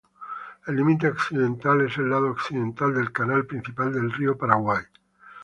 El límite occidental es el lado occidental del canal principal del río Paraguay.